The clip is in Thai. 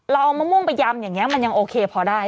เราเอามะม่วงไปยำอย่างนี้มันยังโอเคพอได้